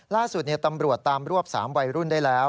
ล่าสุดตำรวจตามรวบ๓วัยรุ่นได้แล้ว